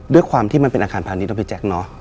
ด้วยความที่มันเป็นอาคารพาณิชนะพี่แจ๊คเนอะ